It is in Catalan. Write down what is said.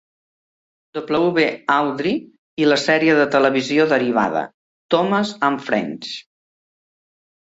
W. Awdry, i la sèrie de televisió derivada Thomas and Friends.